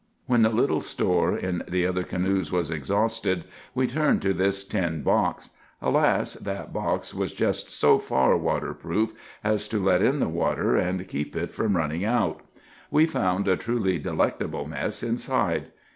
When the little store in the other canoes was exhausted, we turned to this tin box. Alas, that box was just so far water proof as to let in the water and keep it from running out! We found a truly delectable mess inside.